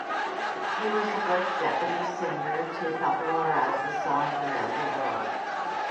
He was the first Japanese singer to popularize the song throughout the world.